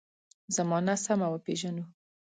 زمانه سمه وپېژنو.